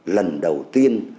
lần đầu tiên